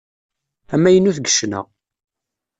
Amaynut deg ccna.